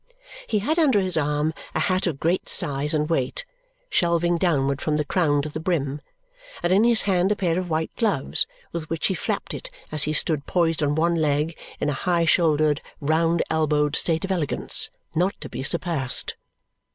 He had under his arm a hat of great size and weight, shelving downward from the crown to the brim, and in his hand a pair of white gloves with which he flapped it as he stood poised on one leg in a high shouldered, round elbowed state of elegance not to be surpassed.